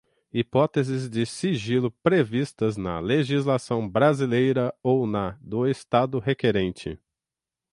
hipóteses de sigilo previstas na legislação brasileira ou na do Estado requerente;